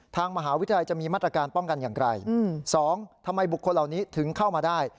ทางมหาวิทยาลัยจะมีมาตรการป้องกันอย่างไรสองทำไมบุคคลเหล่านี้ถึงเข้ามาได้